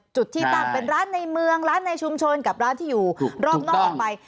จุดที่ตั้งเป็นร้านในเมืองร้านในชุมชนกับร้านที่อยู่รอบนอกออกไป